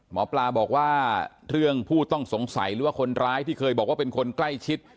หมอปลาบอกว่าเรื่องผู้ต้องสงสัยหรือว่าคนร้ายที่เคยบอกว่าเป็นคนใกล้ชิด